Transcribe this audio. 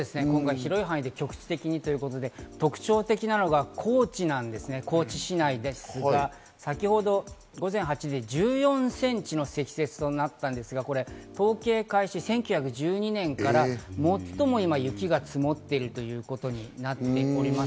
広範囲かつ局地的にということで高知、高知市内では、先ほど１４センチの積雪があったんですが、統計開始、１９１２年から最も今雪が積もっているということになっています。